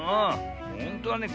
ほんとはね